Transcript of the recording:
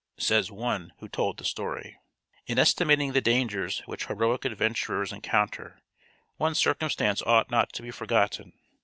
Says one who told the story: "In estimating the dangers which heroic adventurers encounter, one circumstance ought not to be forgotten.